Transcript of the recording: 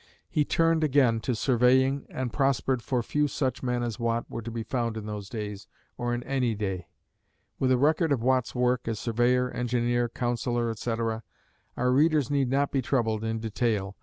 He turned again to surveying and prospered, for few such men as Watt were to be found in those days, or in any day. With a record of Watt's work as surveyor, engineer, councillor, etc., our readers need not be troubled in detail.